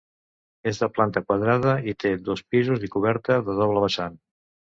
És de planta quadrada i té dos pisos i coberta de doble vessant.